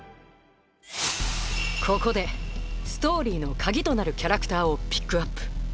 ここでストーリーの鍵となるキャラクターをピックアップ！